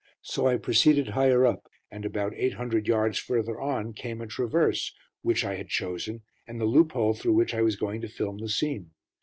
So I proceeded higher up, and about eight hundred yards further on came a traverse, which I had chosen, and the loophole through which I was going to film the scene.